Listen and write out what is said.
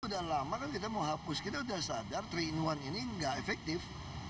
sudah lama kan kita mau hapus kita sudah sadar tiga in satu ini nggak efektif